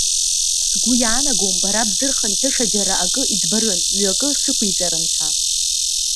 Сгәы иаанагом, бара бзырхынҳәыша џьара акы иӡбарын, мҩакы сықәиҵарын ҳәа.